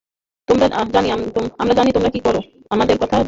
আমরা জানি তোমরা কি করো, আমাদের কথা বলতে চাই না।